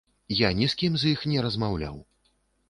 Я ні з кім з іх не размаўляў.